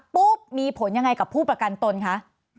มีผลยังไงกับผู้ประกันตนคะ